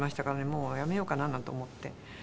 もうやめようかななんて思って。